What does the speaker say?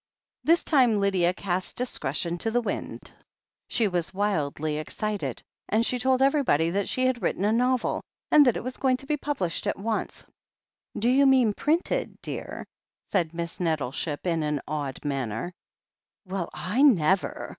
... This time Lydia cast discretion to the winds. She was wildly excited, and she told everybody that she had written a novel, and that it was going to be pub lished at once. "Do you mean printed, dear ?" said Miss Nettleship, in an awed manner. "Well, I never!